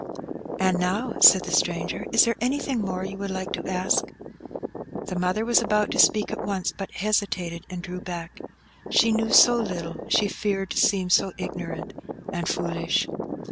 "And now," said the stranger, "is there anything more you would like to ask?" The mother was about to speak at once, but hesitated and drew back. She knew so little; she feared to seem so ignorant and foolish.